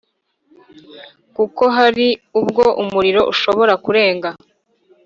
kuko hari ubwo umuriro ushobora kurenga.